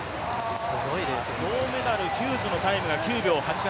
銅メダル、ヒューズのタイムが９秒８８。